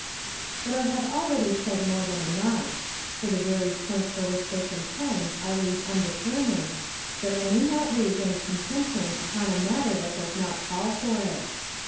But I have already said more than enough ; for the very point for which they contend I leave undetermined, that I may not raise any contention wpon a matter that does not call for it.